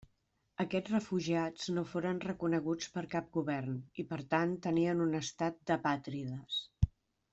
Aquests refugiats no foren reconeguts per cap govern i per tant tenien un estat d'apàtrides.